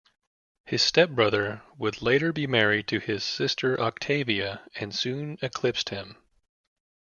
His step-brother would later be married to his sister Octavia, and soon eclipsed him.